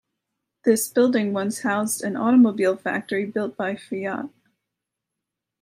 This building once housed an automobile factory built by Fiat.